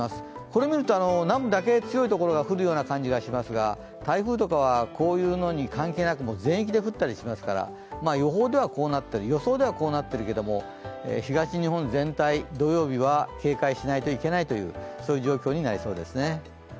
これを見ると南部だけ強い所に降るような気がしますが台風はこういうのに関係なく、全域で降ったりしますから予想ではこうなってるけれども東日本全体、土曜日は警戒しないといけない、そういう状況になりそうですね。